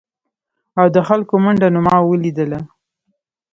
او د خلکو منډه نو ما ولیدله ؟